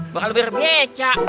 bakal lebih rabeca